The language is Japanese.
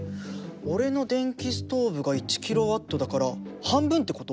俺の電気ストーブが１ｋＷだから半分ってこと！？